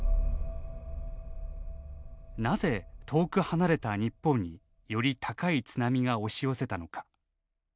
なぜ、遠く離れた日本により高い津波が押し寄せたのか。